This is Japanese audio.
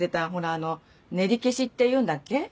あの練り消しっていうんだっけ？